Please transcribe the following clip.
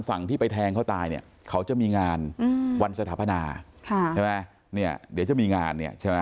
ฝั่งที่ไปแทงเขาตายเนี่ยเขาจะมีงานวันสถาปนาจะมีงาน